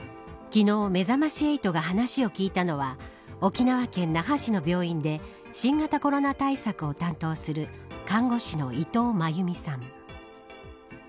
昨日、めざまし８が話を聞いたのは沖縄県那覇市の病院で新型コロナ対策を担当する看護師の伊藤まゆみさん。